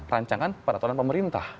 rancangan peraturan pemerintah